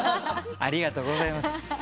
ありがとうございます。